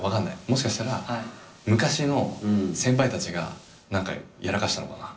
もしかしたら昔の先輩たちが何かやらかしたのかな？